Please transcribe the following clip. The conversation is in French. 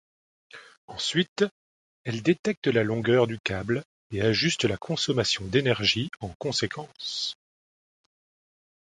Ensuite, elle détecte la longueur du câble et ajuste la consommation d’énergie en conséquence.